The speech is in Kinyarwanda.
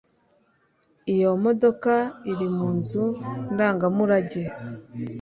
iyo modoka iri mu nzu ndangamurage